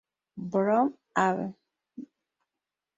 Brown, Av.